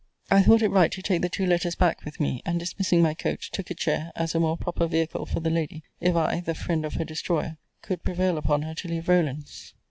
I thought it right to take the two letters back with me; and, dismissing my coach, took a chair, as a more proper vehicle for the lady, if I (the friend of her destroyer) could prevail upon her to leave Rowland's.